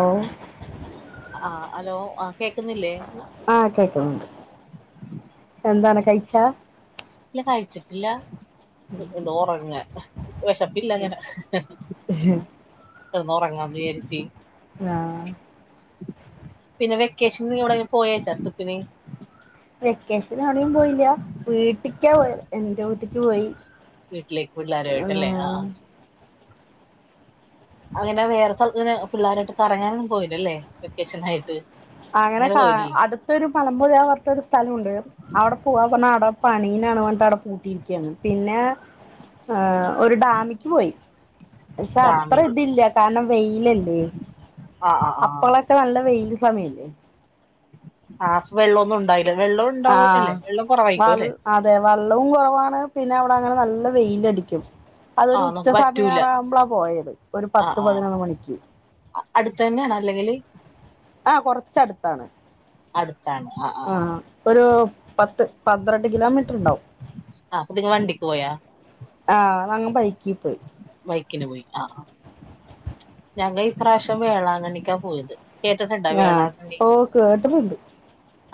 ഓ ഓ ആഹ് ഹലോ ആഹ് കേക്കുന്നില്ലേ ആഹ് കേക്കുന്നുണ്ട് എന്താണ് കഴിച്ചാ ഇല്ല കഴിച്ചിട്ടില്ല [unintelligible] വിഷപ്പില്ലങ്ങനെ കിടന്ന് ഉറങ്ങാന്ന് വിചാരിച്ചി ആഹ് പിന്നെ വെക്കേഷൻ എവിടെലും പോയെച്ച തുട്ടുവെ വെക്കേഷന് എവിടെയും പോയില്ല വീട്ടിക്കാ പോയത് എന്റെ വീട്ടിക്ക് പോയി വീട്ടിലേക്ക് പിള്ളേരുആയിട്ടല്ലെ ആഹ് ഉം. ആ ഹ് അങ്ങനെ വേറെ സ്ഥലത്തിന് പിള്ളോരായിട്ട് കറങ്ങാനൊന്നും പോയില്ലല്ലേ വെക്കേഷനായിട്ട് അങ്ങനെ കാ അടുത്തൊരു പലമ്പുഴ പറഞ്ഞിട്ടൊരു സ്ഥലുണ്ട് അവിടെ പോവാ പറഞ്ഞ അവിടെ പണീനാണ് വണ്ടിട്ട് അവിടെ പൂട്ടിയിരിക്കയാണ് പിന്നെ ആഹ് ഒരു ഡാമിക്ക് പോയി പക്ഷെ അത്ര ഡാമില് ഇതില്ല കാരണം വെയിലല്ലേ ആഹ് ആഹ് ആഹ് ഇപ്പൊ നല്ല വെയില് സമയല്ലേ ആഹ് അപ്പ വെള്ളൊന്നും ഉണ്ടായി ല്ല വെള്ളോണ്ട് ആഹ് ആഹ് വൾ അതെ വള്ളവും കൊറവാണ് പിന്നെ അവിടെ അങ്ങനെ നല്ല വെയിലടി ക്കും അതൊരു ആഹ് ഉച്ച നമുക്ക് പറ്റൂല സമയറാവുമ്പളാ പോയത് ഒരു ആഹ് പത്ത് പതിനൊന്ന് മണിക്ക് ആഹ് അടുത്ത് തന്നെയാണാ അല്ലെങ്കില് ആഹ് കൊറച്ചടുത്താണ് അടുത്താണ് ആഹ് ആഹ് ആഹ് ഒരു പത്ത് പന്ത്രണ്ട് കിലോമീറ്റർ ഉണ്ടാവും ആഹ് അപ്പ നിങ്ങ വണ്ടിക്ക് പോയാ? ആഹ് ഞങ്ങ ബൈക്കി പോയി ബൈക്കിന് പോയി ആഹ് ആഹ് ഞങ്ങൾ ഇപ്രാവശ്യം വേളാങ്കണ്ണിക്കാ പോയത് കേട്ടിട്ട്ണ്ടാ ഈ ആഹ് വേളാങ്കണ്ണി ഓ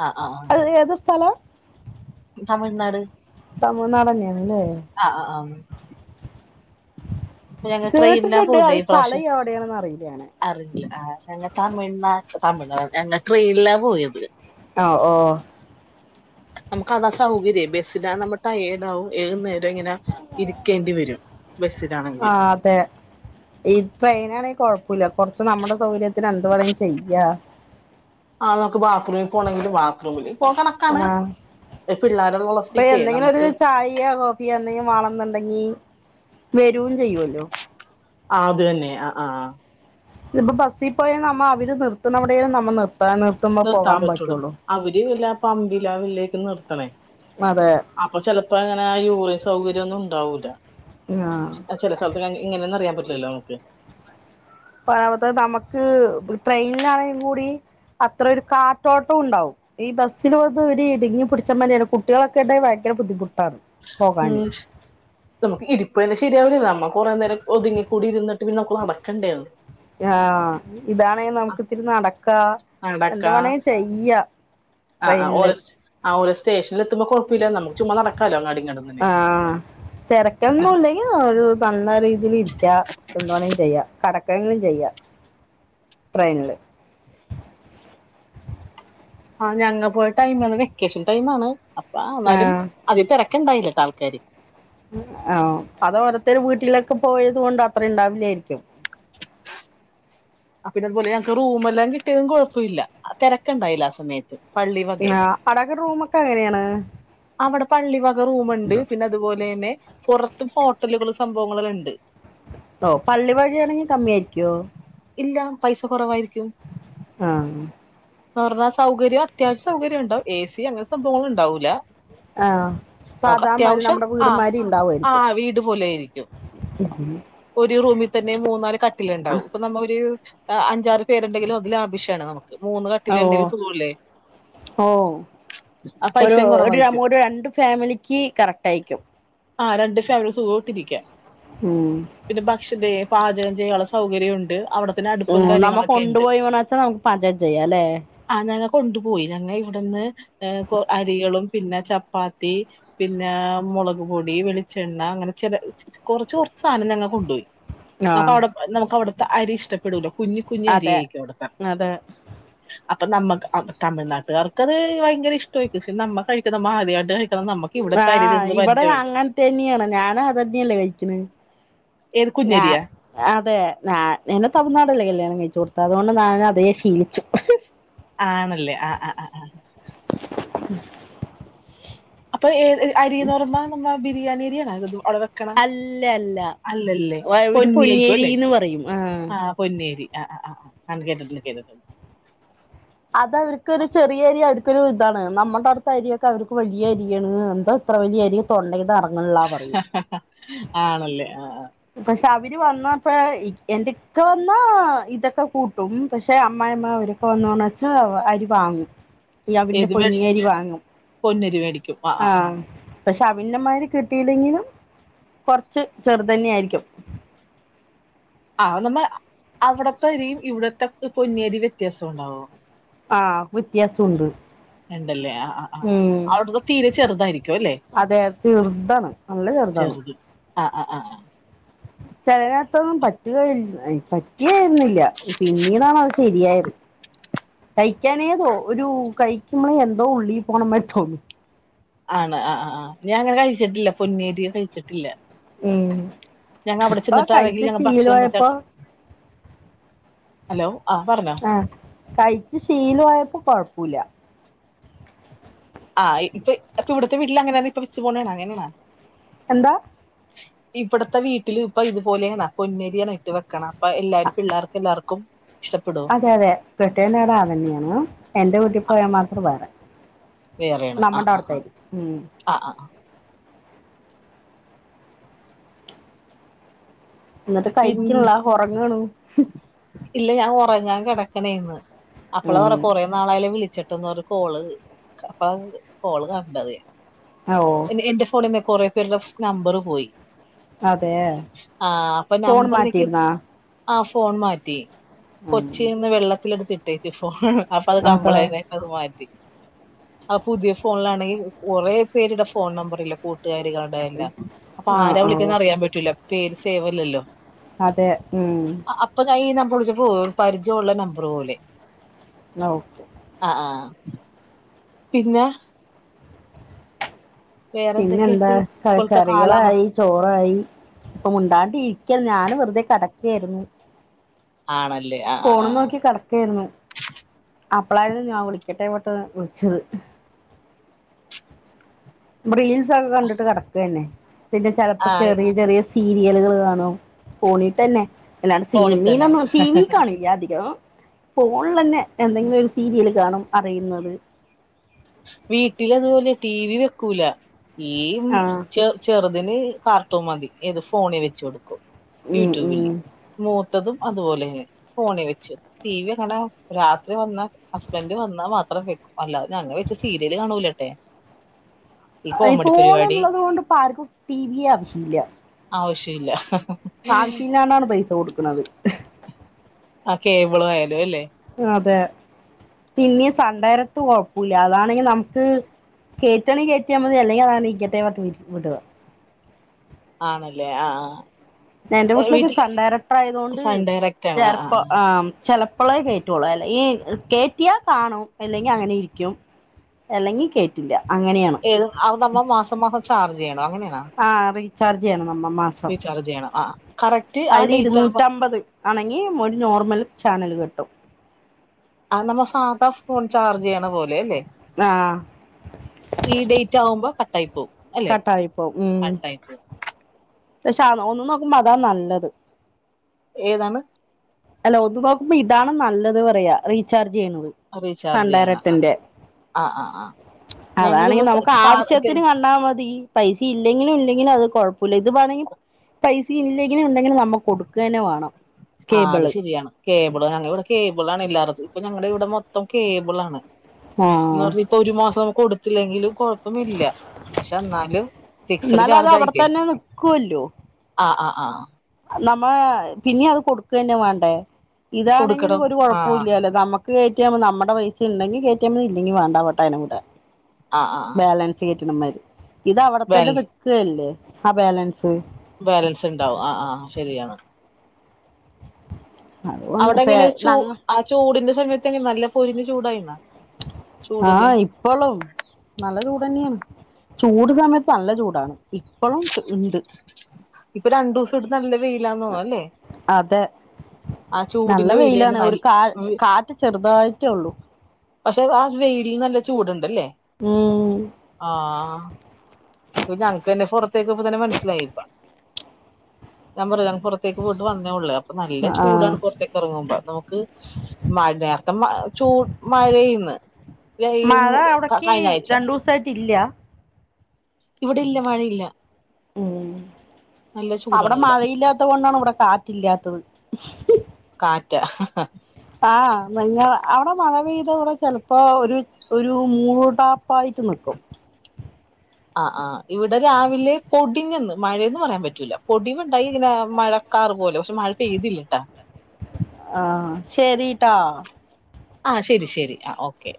ആഹ് ആഹ് ആഹ് ഏതാ സ്ഥലം? തമിഴ്നാട് തമിഴ്നാടെന്നെയാണ് ലേ ആഹ് ആഹ് ആഹ് ഞങ്ങ ട്രെയിനിലാ കേട്ടിട്ട്ണ്ട് പോയത് അത് ഈ സ്ഥലം പ്രാവശ്യം എവിടെയാണെന്ന് അറിയില്ലാ അങ്ങനെ അറിയില്ല ആഹ് ഞങ്ങ തമിഴ്നാട്ട് തമിഴ്നാ ഞങ്ങ ട്രെയിനിലാ പോയത് ആഹ് ഓഹ് നമ്മക്ക് അതാ സൗകര്യേ ബസിലാവുമ്പം നമ്മടയേടാവും ഏതുനേരോ ഇങ്ങനെ ഇരിക്കേണ്ടി വെരും ബസ്സിലാണെങ്കില് ആഹ് അതെ ഈ ട്രെയിനാണെ കൊഴപ്പുല്ല കൊറച്ചു നമ്മടെ സൗകര്യത്തിന് എന്ത് വേണേ ചെയ്യാ ആഹ് നമ്മക്ക് ബാത്റൂമിൽ പോണങ്കില് ബാത്റൂമില് അപ്പോ കണക്കാണ് ആഹ് പിള്ളേരൊള്ള സ്ഥിതിക്കേ നമക്ക് [unintelligible] [unintelligible] എന്തെങ്കി വാണന്നുണ്ടെങ്കി വെരും ചെയ്യുവല്ലോ ആഹ് അത് തന്നെ ആഹ് ആഹ് ഇപ്പ ബസ്സി പോയാ നമ്മ അവര് നിർത്തണ അവിടെലും നമ്മ നിർത്താന്ന് നിർ നിർത്താൻ പറ്റുള്ളൂ അവര് എല്ലാ പമ്പിലാവിലേക്ക് നിർത്തണേ അതെ അപ്പൊ ചെലപ്പോ അങ്ങനെ ആ യൂറിയൻ സൗകര്യം ഒന്നും ഉണ്ടാവൂല ആഹ് ചെല സ്ഥലത്ത് എങ്ങനെയാന്ന് അറിയാൻ പറ്റില്ലല്ലോ നമ്മക്ക് [unintelligible] നമ്മക്ക് ട്രെയ്ലാണെ കൂടി അത്രേ ഒരു കാറ്റോട്ടം ഉണ്ടാവും ഈ ബസ്സില് പോവുമ്പോ ഒര് ഇടുങ്ങി പിടിച്ചമാതിരിയാണ് കുട്ടികളൊക്കെ ഇണ്ടാവുമ്പോ ഭയങ്കര ബുദ്ധിമുട്ടാണ് പോകാന് ഉം നമ്മക്ക് ഇരിപ്പ് തന്നെ ശരിയാവൂല നമ്മക്ക് കൊറേ നേരം ഒതുങ്ങി കൂടിയിരുന്നിട്ട് പിന്നെ നടക്കണ്ടേ ഒന്ന് ആഹ് ഇതാണേ നമ്മക്ക് ഇത്തിരി നടക്കാ എന്ത് വേണേ ചെയ്യാ ആഹ് ആഹ് ട്രെയിനില് ഓരെ സ് ആഹ് ഓരോ സ്റ്റേഷനിൽ എത്തുമ്പോ കൊഴപ്പല്ല നമ്മക്ക് ചുമ്മാ നടക്കാലോ അങ്ങാടു ഇങ്ങാടു ആഹ് തെരക്കൊന്നും ഇല്ലങ്കി ഒരു തന്നാ രീതിൽ ഇരിക്കാ എന്തുവേണേ ചെയ്യാം കെടക്കെങ്കിലും ചെയ്യാം ട്രെയിനില് ആഹ് ഞങ്ങ പോയ ടൈം അന്ന് വെക്കേഷൻ ടൈമാണ് അപ്പൊ എന്നാലും ആഹ് അതികം തെരക്കെണ്ടായില്ലാട്ടാ ആൾക്കാര് ആഹ് അത് ഓരത്തരും വീട്ടിലൊക്കെ പോയത് കൊണ്ട് അത്ര ഇണ്ടാവില്ലേരിക്കും ആഹ് പിന്നെ അതുപോലെ ഞങ്ങക്ക് റൂമെല്ലാം കിട്ടിയതും കൊഴപ്പയില്ല തെരക്ക്ണ്ടായില്ല ആ സമയത്ത് പള്ളി വകേ ആഹ് അവിടൊക്കെ റൂമൊക്കെ എങ്ങനെയാണ് അവിടെ പള്ളി വക റൂമുണ്ട് പിന്നെ അതുപോലെ തന്നെ പൊറത്തും ഹോട്ടലുകളും സംഭവങ്ങളെല്ലാം ഇണ്ട് ഓഹ് പള്ളി വഴിയാണെങ്കിൽ കമ്മി ആയിരിക്കോ ഇല്ല പൈസ കൊറവായിരിക്കും ആഹ് ന്നു പറഞ്ഞാ സൗകര്യം അത്യാവശ്യം സൗകര്യം ഉണ്ടാവും എ സി അങ്ങനത്ത സംഭവങ്ങള് ഉണ്ടാവൂല്ല ആഹ് സാധമ്മൽ നമ്മുടെ ആ വീട്മാരി ഇണ്ടാവു ആ ആയിരിക്കും വീട് പോലെ ആയിരിക്കും ഒരു റൂമിൽ തന്നെ മൂന്നാല് കട്ടില്ണ്ടാവും ഇപ്പൊ നമ്മ ഒരു അഞ്ചാറ് പേരെണ്ടങ്കിലും ലാവിശാണ് നമുക്ക് മൂന്ന് ഓ കട്ടിലെണ്ടങ്കി സുഖോല്ലേ ഓ ഒരു പൈസയും ഒരു കുറവായിരിക്കും ഒരു രണ്ട് ഫാമിലിക്ക് കറക്ടായിരിക്കും ആ രണ്ട് ഫാമിലി സുഖോട്ടിരിക്കാം ഉം പിന്നെ ഭക്ഷണേ പാജകം ചെയ്യാൻ ഉള്ള സൗകര്യം ഉണ്ട് അവിട ഉം നമ്മ കൊണ്ടുപോയി വേണാച്ചാൽ നമുക്ക് പാചകം ചെയ്യാം അല്ലെ ആ ഞങ്ങ കൊണ്ടുപോയി ഞങ്ങ ഇവിടുന്ന് അരികളും പിന്നെ ചപ്പാത്തി ത്തി പിന്നെ മുളക് പൊടി, വെളിച്ചെണ്ണ അങ്ങനെ ചെല കൊർച്ച് കൊർച്ച് സാധനം ഞങ്ങൾ കൊണ്ടോയി നമക്ക് ആഹ് അടെ നമുക്ക് അവിടുത്ത അരി ഇഷ്ടപ്പെടൂല കുഞ്ഞ് കുഞ്ഞ് അരി അതെ ആയിരിക്കും അവിടുത്തെ അതെ അപ്പൊ നമ്മ തമിഴ്നാട്ടുകാർക്കത് ഭയങ്കര ഇഷ്ടായിരിക്ക പക്ഷെ നമ്മ കഴിക്കുന്ന നമ്മ ആദ്യായിട്ട് കയിക്ക് ആഹ് ഇവിടെ അങ്ങൻത്തന്നെയാണ് ഞാന അതന്നെയല്ലേ കഴിക്കണ് ഏത് ഞാ കുഞ്ഞരിയാ അതെ എന്നെ തമിഴ്നാടല്ലേ കല്യാണം കഴിച്ചു കൊടുത്ത അതോണ്ട് ഞാൻ അതേ ശീലിച്ചു ആണല്ലേ ആ ആ ആ ആ അപ്പൊ ഏ അരിന്ന് പറിമ്പോ നമ്മ ബിരിയാണി അരിയാണ അവിടെ- അല്ല അല്ല അല്ലല്ലേ ഒരു പൊന്നി ആയിക്കും അല്ലേ പൊന്നിയരിന്ന് പറയും ആഹ് ആ പൊന്നരി ആ ആ ആ ആ ഹാ കേട്ടിട്ട്ണ്ട് കേട്ടിട്ടുണ്ട് അത് അവർക്കൊരു ചെറിയ അരി അവർക്കൊരു ഇതാണ് നമ്മുടെ അടുത്തെ അരിയൊക്കെ അവർക്ക് വലിയ അരിയാണ് എന്താ അത്ര വല്യരി തൊണ്ടേന്ന് എർ ആണല്ലേ ആ പക്ഷെ അവര് വന്നപ്പ എന്റെക്കെ വന്നാ ഇതൊക്കെ കൂട്ടും പക്ഷെ അമ്മായിമ്മ അവര് ഒന്നോണച്ചാ അരി വാങ്ങും ഈ അവിഞ്ഞ ഏത് വെ പൊഞ്ഞരി വാങ്ങും ആഹ് പക്ഷെ അവിഞ്ഞമാര് കിട്ടിയില്ലെങ്കിലും കൊറച്ച് ചെറുതന്നെ ആയിരിക്കും ആ നമ്മ അവിടത്തരിയും ഇവിടത്തെ പൊന്നേരി വ്യത്യാസ ഉണ്ടാവോ ആ വ്യത്യാസം ഉണ്ട് ഇണ്ടല്ലേ ആ ആ ആ അവിടുത്തെ തീരെ ചെറുതായിരിക്കും അല്ലെ അതെ ചെറുതാണ് നല്ല ചെറുതാണ് ചെറുത് ആ ആ ആ ആ ചലതിനകത്തൊന്നും പറ്റുക പറ്റായിരുന്നില്ല പിന്നീടാണത് ശരിയായത് കഴിക്കാനേതോ ഒരു കഴിക്കുമ്പളേ എന്തോ ഉള്ളി പോണ മാരി തോന്ന ആണ് ആ ആ ആ ഞാ അങ്ങനെ കഴിച്ചിട്ടില്ല പൊന്നേരി കഴിച്ചിട്ടില്ല ഞങ്ങ അവിടെ ഇപ്പ കഴിച്ച ചെന്നിട്ടാണെങ്കിൽ ഞങ്ങ ഭക്ഷണം വെച്ച ശീലായപ്പോ ഹലോ ആ പറഞ്ഞോ ആ കയ്ച്ച് ശീലായപ്പോ കൊഴപ്പില്ല ആ ഇപ്പ ഇപ്പൊ ഇവിടുത്തെ വീട്ടിൽ അങ്ങനെ ഇപ്പ [unintelligible] പോണേ അങ്ങനെയാണോ എന്താ ഇവിടത്തെ വീട്ടിൽ ഇപ്പൊ ഇതുപോലാണ പൊന്നരിയാണോ ഇട്ട് വെക്കണ അപ്പ എല്ലാർക്കും പിള്ളേർക്ക എല്ലാർക്കും ഇഷ്ടപ്പെടും അതെ അതെ ബിട്ടേനട [unintelligible] അതന്നെയാണ് എന്റെ വീട്ടിൽ പോയാൽ മാത്രം വേറെ- വേറെയാണ് ആഹ് നമ്മടെ ആഹ് അടുത്തായി ഉം ആഹ് ആ എന്നിട്ട് പിന്നെ കഴിക്ക്ണില്ല ഒറങ്ങാണു ഇല്ല ഞാൻ ഒറങ്ങാൻ കെടക്കണേന്ന് ഉം അപ്പളാർ നാളായാല്ല വിളിച്ചിട്ടന്നരു കോള് അപ്പ കോള് കണ്ടത് ഓ ഓ എൻ്റെ എന്റെ ഫോണിന്നെ കൊറെ പേരുടെ നമ്പർ പോയി അതേ നമ്പർക്ക് ആഹ് ഫോൺ മാറ്റി ഉം കൊച്ചിന്ന് വെള്ളത്തി എടുത്തിട്ട ട്ടേച്ച് ഫോൺ അപ്പൊ അത് അതാ കംപ്ലയിന്റായപ്പാ അത് മാറ്റി ആഹ് പുതിയ ഫോണിലാണെങ്കിൽ കുറെ പേരുടെ ഫോൺ നമ്പറില്ല കൂട്ടുകാർ കാണ ടെ എല്ലാ അപ്പൊ ആര ആഹ് ആഹ് വിളിക്കുന്നെ അറിയാൻ പറ്റൂല പേര് സേവല്ലല്ലോ അതെ ഉം അപ്പൊ ഞാൻ ഈ നമ്പർ വിളിച്ചപ്പോ ഒരു പരിചയമുള്ള നമ്പർ പോലെ നോ ആഹ് ആഹ് പിന്നെ പിന്നെന്താ വേറെന്തൊക്കെയുണ്ട് ക ഇപ്പോഴത്തെ കാലാവസ്ഥ കറികളായി ചോറായി ഇപ്പം മുണ്ടാണ്ട ഇരിക്കൽ ഞാൻ വെറുതെ കെടക്കായിരുന്നു ആണല്ലേ ആഹ് ഫോണും നോക്കി കെടക്കായിരുന്നു അപ്പളായിരുന്നു ഞാൻ വിളിക്കട്ടെ പെട്ടന്ന് വിളിച്ചത് റീൽസൊക്കെ കണ്ടിട്ട് കിടക്കന്നെ പിന്നെ ചിലപ്പോ ആഹ് ചെറിയ ചെറിയ സീരിയലുകള് കാണും ഫോണി തന്നെ അല്ലാണ്ട് ഫോണിൽ തന്നെ സിനിമിലൊന്നു ടി വി കാണില്ല അധികം ഫോണിൽ തന്നെ എന്തെങ്കിലും ഒരു സീരിയൽ കാണും അറയുന്നത് വീട്ടിൽ അതുപോലെ ടി വി വെക്കൂല ഈ ഉം ആ ചോ ചെറുതിന് കാർട്ടൂൺ മതി എത് ഫോണി വെച്ച് കൊടുക്കും ഉം ഉം യൂട്യൂബില് മൂത്തതും അതുപോലെ തന്നെണ് ഫോണി വെച്ച് ടി വി അങ്ങനെ രാത്രി വന്ന് ഹസ്ബൻഡ് വന്നാ മാത്രം വെക്കും അല്ലാതെ ഞങ്ങൾ വെക് ച്ച് സീരിയല് കാണൂലത്തെ ഈ ഫോൺ ഉള്ളതോണ്ട് കൊണ്ട് ഇപ്പ ആർക്കും ടി വിയെ ആവശ്യംമില്ല്യ ആവശ്യല്ല ആവശ്യയില്ലണ്ടണ് പൈസ കൊടുക്കണത് ആഹ് കേബിൾ ആയാലും അല്ലെ അതെ പിന്നെ സൺ‌ഡേയറക്റ്റ് കൊഴപ്പുല്ല അതാണെങ്കി നമുക്ക് കേറ്റാണേ കേറ്റിയാൽ മതി അല്ലെങ്കി അത് അങ്ങനെ ഇരിക്കട്ടെ പറഞ്ഞു വിടു ആണല്ലേ ആഹ് ആഹ് എന്റെ വീട്ടിലൊക്കെ സൺ ഡയറക്ടർ ആയതോണ്ട് സൺ ഡയറക്റ്റ് ആണ് ആ ആ ചെറപ്പോ ആഹ് ചെറ് പ്പോളേ കേറ്റുള്ളു അല്ലെങ്കി കേറ്റിയാ കാണും അല്ലെങ്കി അങ്ങനെ ഇരിക്കും അല്ലെങ്കി കേ റ്റില്ല്യ അങ്ങനെയാണ് ഏത് അതു സംഭവം മാസം മാസം ചാർജ് ചെയ്യണം അങ്ങനെയാണോ ആഹ് റീചാർജ് ചെയ്യണം നമ്മൾ മാ റീചാർജ് ചെയ്യണം ആഹ് കറ അതില് ഇരുന്നൂട്ടുമ്പത് ആണെങ്കി ഒരു നോർമൽ ചാനല് കിട്ടും അത് നമ്മൾ സാധാ ഫോൺ ചാർജ് ചെയ്യണ പോലെ അല്ലേ ആഹ് ഈ ഡേറ്റ് ആകുമ്പോ കട്ടായി പോവും അല്ലെ കട്ടായിപ്പോ ഉം കട്ടായി പോവും പക്ഷെ അ ഒന്ന് നോക്കുമ്പോൾ അതാ നല്ലത് ഏതാണ് അല്ല ഒത്ത് നോക്കുമ്പോ ഇതാണ് നല്ലത് പറയാ റീചാർജ് ചെയ്യണത് സൺ റീചാർജ് ചെയ്യണ ആ ഡയറക്ടിന്റെ ആഹ് ആഹ് ആഹ് അതാണെങ്കി നമുക്ക് ആവശ്യത്തിന് കണ്ടാ മതി പൈസ ഇല്ലെങ്കിലും ഇല്ലെങ്കിലും അത് കൊ പ്പുല്ല ഇത് വേണെങ്കി പൈസ ഇല്ലെങ്കിലും ഉണ്ടെങ്കിലും നമു ആഹ അത് ശരിയാണ് കേബിള ഞങ്ങൾ ഇവിടെ കേബിൾ ആണ് ഇല്ലാതിരുന്നത് ഇപ്പൊ ഞങ്ങളുടെ ഇവിടെ മൊത്തം കേബിൾ ആണ് എന്ന് ആഹ് പറഞ്ഞ ഇപ്പ ഒരു മാസം നമുക്ക് കൊടുത്തില്ലെങ്കിലുംകുഴപ്പ ല്ല പക്ഷെ എന്നാലും ഫിക്സ്ഡ് എന്നാല് അത് ചാർജ് അവിടെ ആയിരികേം തന്നെ നിക്കുവല്ലോ ആഹ് ആഹ് ആഹ് നമ്മ പിന്നെ അത് കൊടുക്കന്നേ വേണ്ടേ ഇതാണെങ്കിൽ കൊടുക്കണം ഒരു ആ കൊഴപ്പ ഇല്ലല്ലോ നമ്മക്ക് കയറ്റിമ്മ നമ്മടെ പൈസ ഉണ്ടെങ്കിൽ കയറ്റിയ മതി ഇല്ലെങ്ങി വേണ്ടാ പറഞ്ഞിട്ട് അങ്ങനെ വിടാ ആ ആ ബാലൻസ് കേറ്റാനമാതിരി ഇത് അവിടെത്തന്നെ ബാലൻസ് നിൽക്കുകല്ലേ ആഹ ബാലൻസ് ബാലൻസ് ഉണ്ടാവും ആഹ് ആഹ് ശരിയാണ്. അവിടെ അതുകൊണ്ട് എങ്ങനെ ചൂ ഞങ്ങ ആ ചൂടിന്റെ സമയത്ത്ങ്ങനെ നല്ല പൊരിഞ്ഞ ചൂടായിന്നാ ചൂടില് ഇപ്പോളും നല്ല ചൂടന്നെയാണ് ചൂട് സമയത്ത് നല്ല ചൂടാണ്. ഇപ്പോളും ഉണ്ട് ഇപ്പൊ രണ്ടു ദിവസം ഇട്ട് നല്ല വെയിലാന്ന് തോന്നും അല്ലേ അതെ ആ നല്ല ചൂടിന്റെ വെയില് തന്നെ വെയിലാണ് ഒരു നല്ല കാ കാറ്റ് ചെറുതായിട്ടേ ഉള്ളൂ പക്ഷെ ആ വെയിലിൽ നല്ല ചൂടുണ്ടല്ലേ ഉം ആഹ് ഇപ്പൊ ഞങ്ങൾക്കെന്നെ പുറത്തേക്ക് പോവുമ്പോ തന്നെ മനസ്സിലായി ഞാൻ പറഞ്ഞില്ലെ പുറത്തെ പുറത്തേക്ക് പോയിട്ട് വന്നേ ഉള്ളേ അപ്പൊ നല്ല ആ ചൂടാണ് പുറത്തേക്ക് ഇറങ്ങുമ്പോ നമുക്ക് മഴ നേരത്തെ മ ചൂട് മഴെയന്ന് [unintelligible] കഴിഞ്ഞ ആഴ്ച സൈട്ട ഇല്ല ഇവിടെ ഇല്ല മഴയില്ല ഉം നല്ല അവിടെ ചൂടാണ് ഇവിടെ മഴയില്ലാത്ത കൊണ്ടാണ് ഇവിടെ കാ റ്റില്ലാത്തത് കാറ്റ ആഹ് നല്ല അവിടെ മഴ പെയ്ത കടെ ചെലപ്പ ഒരു ഒരു മൂടാപ്പായിട്ട് നിക്കും ആഹ് ആഹ് ഇവിടെ രാവിലെ പൊടിഞ്ഞന്ന് മഴയന്ന് പറയാൻ പറ്റൂല പൊടിവുണ്ടായി ഇങ്ങനെ മഴ കാറ് പോലെ പക്ഷെ മഴ പെയ്തില്ലട്ടാ ആഹ് ശരിട്ടാ ആഹ് ശരി ശരി ആഹ് ഓക്കെ